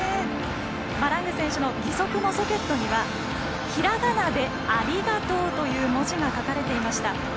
マラング選手の義足のソケットにはひらがなで「ありがとう」という文字が書かれていました。